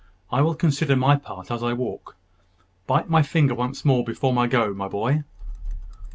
I will consider my part as I walk. Bite my finger once more before I go, my boy."